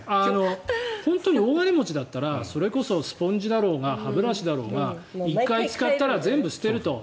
本当に大金持ちだったらそれこそスポンジだろうが歯ブラシだろうが、１回使ったら全部捨てると。